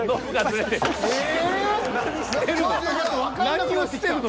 何してるの？